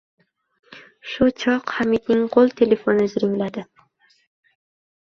Shu choq Hamidning qo‘l telefoni jiringladi